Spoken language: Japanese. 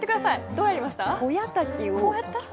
どうやりました？